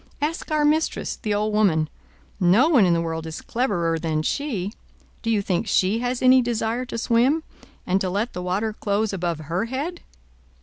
Ask our mistress, the old woman; no one in the world is cleverer than she. Do you think she has any desire to swim, and to let the water close above her head?"